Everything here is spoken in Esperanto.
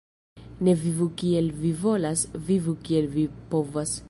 Ne vivu kiel vi volas, vivu kiel vi povas.